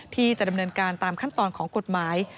ที่จะดำเนินการตามขั้นตอนของกฎหมาย